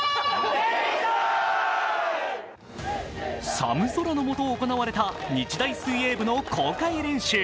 寒空の下行われた日大水泳部の公開練習。